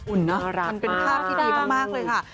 น่ารักมันเป็นภาพที่ดีมากเลยค่ะ